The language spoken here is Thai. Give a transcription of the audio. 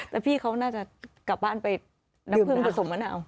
แต่พี่เค้าน่าจะกลับบ้านไปน้ำเพิ่มผลสมมะนาว